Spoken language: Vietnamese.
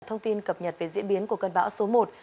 thông tin cập nhật về diễn biến của cơn bão số một